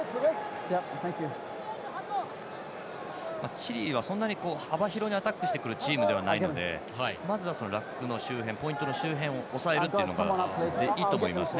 チリはそんなに幅広にアタックしてくるチームではないのでまずはラックの周辺ポイントの周辺を抑えるというのがいいですね。